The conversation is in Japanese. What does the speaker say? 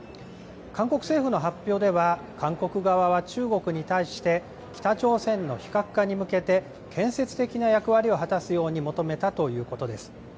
韓国政府の発表では韓国側は中国に対して北朝鮮の非核化に向けて建設的な役割を果たすように求めたということです。